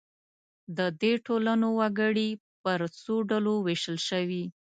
د دې ټولنو وګړي پر څو ډلو وېشل شوي.